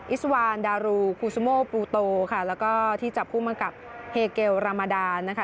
อิสวานดารูคูซูโมปูโตค่ะแล้วก็ที่จับคู่มากับเฮเกลรามาดานะคะ